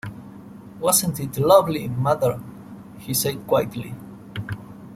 “Wasn’t it lovely, mother?” he said quietly.